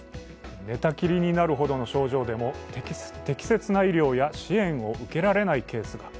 寝たきりになるほどの症状でも適切な医療や支援を受けられないケースが。